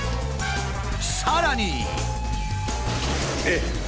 さらに。